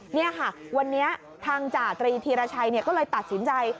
นี่ค่ะวันนี้ทางจาตรีธีรชัยก็เลยตัดสินใจ